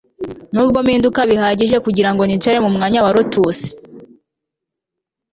Ntabwo mpinduka bihagije kugirango nicare mumwanya wa lotus